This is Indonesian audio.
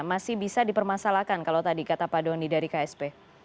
masih bisa dipermasalahkan kalau tadi kata pak doni dari ksp